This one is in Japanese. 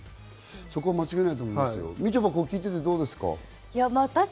みちょぱ、聞いててどうですか？